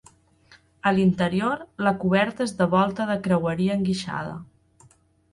A l'interior, la coberta és de volta de creueria enguixada.